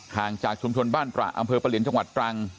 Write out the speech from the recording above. ห่างจากชุมชนบ้านตระอำเภอปะเหลียนจังหวัดตรัง